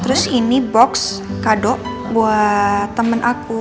terus ini box kado buat temen aku